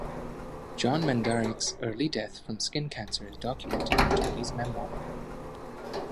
John Mandarich's early death from skin cancer is documented in Tony's memoir.